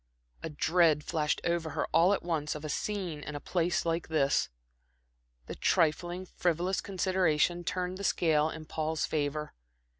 A dread flashed over her all at once of a scene in a place like this. The trifling, frivolous consideration turned the scale in Paul's favor.